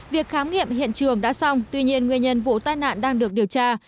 việc khám nghiệm hiện trường đã xong tuy nhiên nguyên nhân vụ tai nạn đang được điều tra